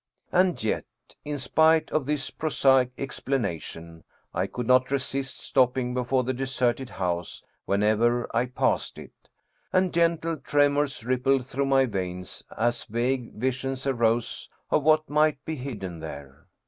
And yet, in spite of this prosaic explanation, I could not resist stopping before the deserted house whenever I passed it, and gentle tremors rippled through my veins as vague visions arose of what might be hidden there.